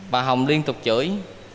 bà hồng liên tục chửi